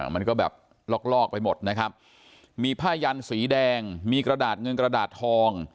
มันก็แบบลอกลอกไปหมดนะครับมีผ้ายันสีแดงมีกระดาษเงินกระดาษทอง